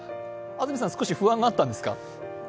安住さん、少し不安があったんですか？